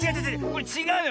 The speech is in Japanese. これちがうよ。